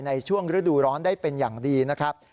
ในช่วงฤดูร้อนได้เป็นอย่างดีนะครับ